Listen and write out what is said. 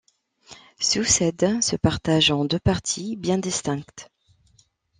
Saucède se partage en deux parties bien distinctes.